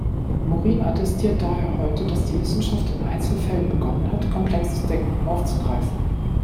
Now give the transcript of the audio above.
Morin attestiert daher heute, dass die Wissenschaft in Einzelfällen begonnen hat, komplexes Denken aufzugreifen.